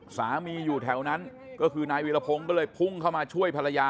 อยู่แถวนั้นก็คือนายวีรพงศ์ก็เลยพุ่งเข้ามาช่วยภรรยา